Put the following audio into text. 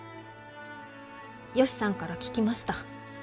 ヨシさんから聞きました。